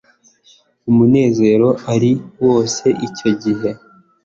umunezero ari wose icyo gihe